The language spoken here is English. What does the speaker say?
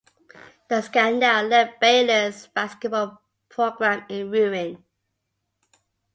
The scandal left Baylor's basketball program in ruin.